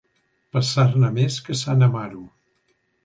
Passar-ne més que sant Amaro.